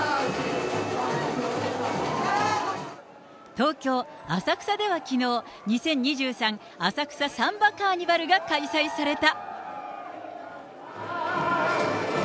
東京・浅草ではきのう、２０２３浅草サンバカーニバルが開催された。